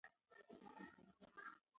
پورشه د خطر سره مخ وه.